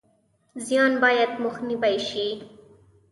زیان باید مخنیوی شي